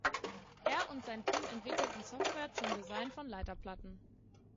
Er und sein Team entwickelten Software zum Design von Leiterplatten.